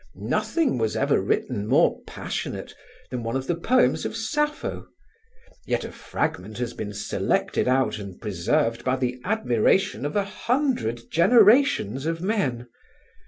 Nothing was ever written more passionate than one of the poems of Sappho. Yet a fragment has been selected out and preserved by the admiration of a hundred generations of men.